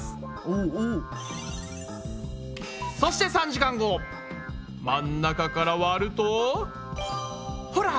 そして３時間後真ん中から割るとほら！